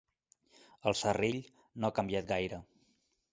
El serrell no ha canviat gaire.